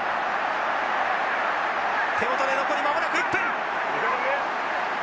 手元で残り間もなく１分。